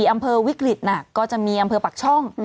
อำเภอวิกฤตหนักก็จะมีอำเภอปักช่อง